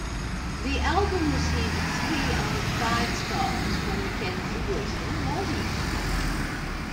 The album received three out of five stars from MacKenzie Wilson of Allmusic.